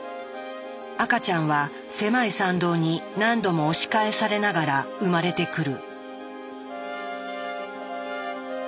赤ちゃんは狭い産道に何度も押し返されながら生まれてくる。